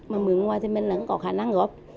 mà mượn ngoài thì mình có khả năng góp